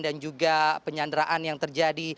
dan juga penyanderaan yang terjadi